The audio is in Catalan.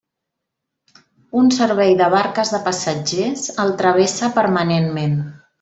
Un servei de barques de passatgers el travessa permanentment.